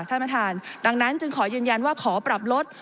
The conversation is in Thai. ท่านประธานดังนั้นจึงขอยืนยันว่าขอปรับลด